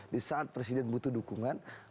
di saat presiden butuh dukungan